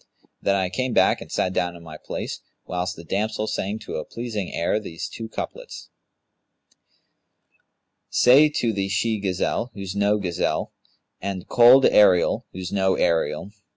Then I came back and sat down in my place, whilst the damsel sang to a pleasing air these two couplets, 'Say to the she gazelle, who's no gazelle, * And Kohl'd ariel who's no ariel.